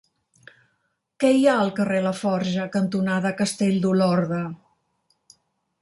Què hi ha al carrer Laforja cantonada Castell d'Olorda?